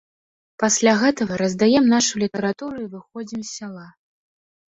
Пасля гэтага раздаем нашу літаратуру і выходзім з сяла.